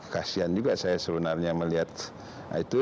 kasian juga saya sebenarnya melihat itu